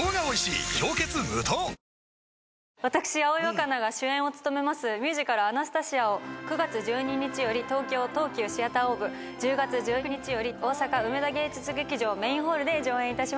あ私葵わかなが主演を務めますミュージカル『アナスタシア』を９月１２日より東京東急シアターオーブ１０月１９日より大阪梅田芸術劇場メインホールで上演いたします。